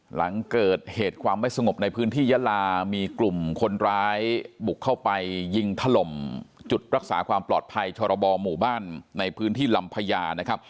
หลังเกิดเหตุความไม่สงบในพื้นที่ยาลามีกลุ่มคนร้ายบุกเข้าไปยิงถล่มจุดรักษาความปลอดภัยชรบหมู่บ้านในพื้นที่ลำพญานะครับ